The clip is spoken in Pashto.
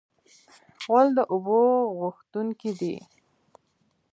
غول د اوبو غوښتونکی دی.